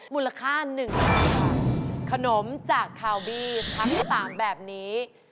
มูลค่า๑ขนมขนมจากข่าวบีทั้งสามแบบนี้